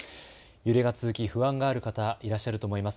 揺れが続き不安がある方、いらっしゃると思います。